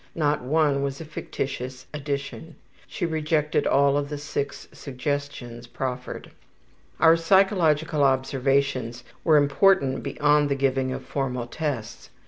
Not one was a fictitious addition. She rejected all the 6 suggestions proffered. Our psychological observations were important beyond the giving of formal tests.